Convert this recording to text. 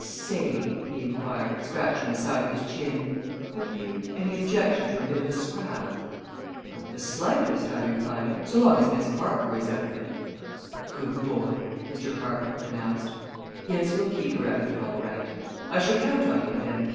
"Say," he inquired, scratching the side of his chin, "have you any objection to a bit of a scrap?" "Not the slightest," I replied, "so long as Miss Parker is out of it!" "Good boy!" Mr. Parker pronounced. "Yes; we'll keep her out of it, all right. I shall count on you then.